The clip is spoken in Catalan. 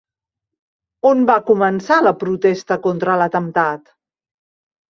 On va començar la protesta contra l'atemptat?